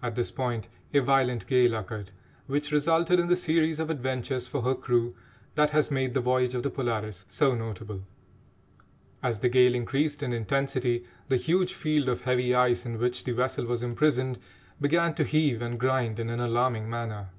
At this point a violent gale occurred, which resulted in the series of adventures for her crew that has made the voyage of the Polaris so notable. As the gale increased in intensity, the huge field of heavy ice in which the vessel was imprisoned began to heave and grind in an alarming manner.